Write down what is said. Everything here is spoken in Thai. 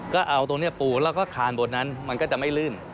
ก็เอาตรงนี้ปูแล้วก็คานบนนั้นมันก็จะไม่ลื่น